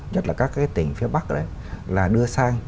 nhất là các cái tỉnh phía bắc đấy là đưa sang